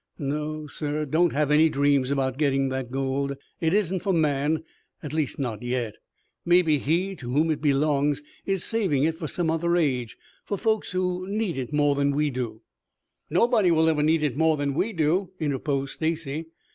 No, sir, don't have any dreams about getting that gold. It isn't for man, at least not yet. Maybe He to whom it belongs is saving it for some other age, for folks who need it more than we do." "Nobody ever will need it more than we do," interposed Stacy.